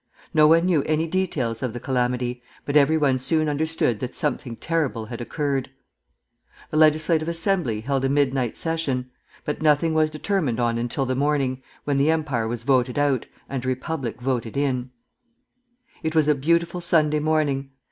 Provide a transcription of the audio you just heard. No one knew any details of the calamity, but every one soon understood that something terrible had occurred. The Legislative Assembly held a midnight session; but nothing was determined on until the morning, when the Empire was voted out, and a Republic voted in. It was a beautiful Sunday morning.